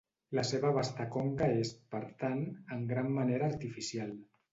La seva vasta conca és, per tant, en gran manera artificial.